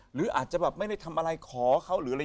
หรืออาจจะไม่ได้ทำอะไรขอเขา